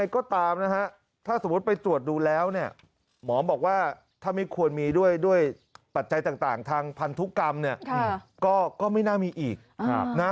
ก็ไม่น่ามีอีกนะครับ